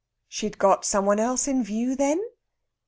"She'd got some one else in view then?"